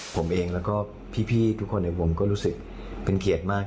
ผมเองแล้วก็พี่ทุกคนในวงก็รู้สึกเป็นเกียรติมาก